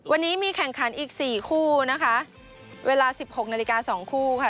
วันนี้มีแข่งขันอีก๔คู่นะคะเวลาสิบหกนาฬิกาสองคู่ค่ะ